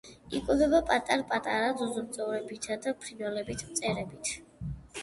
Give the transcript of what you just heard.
იკვებება პატარ-პატარა ძუძუმწოვრებითა და ფრინველებით, მწერებით.